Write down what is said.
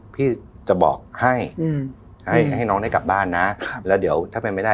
พี่จะบอกให้อืมให้ให้น้องได้กลับบ้านน่ะครับแล้วเดี๋ยวถ้าเป็นไม่ได้